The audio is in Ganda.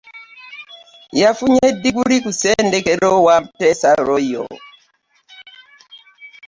Yafunye ddiguli ku ssettendekero wa Muteesa Royal